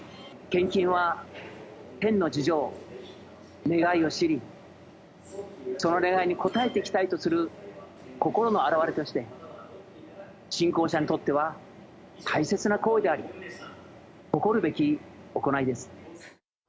献金は天の事情、願いを知り、その願いに応えていきたいとする心の表れとして、信仰者にとっては大切な行為であり、誇るべき行いです。